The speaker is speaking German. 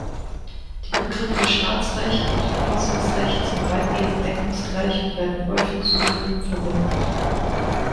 Die Begriffe "Staatsrecht" und "Verfassungsrecht" sind weitgehend deckungsgleich und werden häufig synonym verwendet.